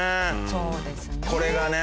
そうですね。